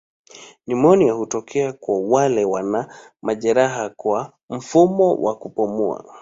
Nimonia hutokea kwa wale wana majeraha kwa mfumo wa kupumua.